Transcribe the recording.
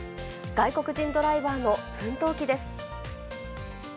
外国人ドライバーの奮闘記です。